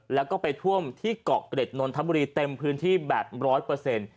แล้วก็ไปท่วมที่เกาะเกร็ดนนทบุรีเต็มพื้นที่แบบร้อยเปอร์เซ็นต์